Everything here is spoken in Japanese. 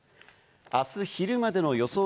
明日昼までの予想